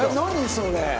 それ。